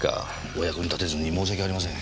お役に立てずに申し訳ありません。